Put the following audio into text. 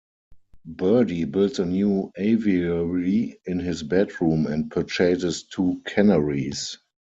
Birdy builds a new aviary in his bedroom and purchases two canaries.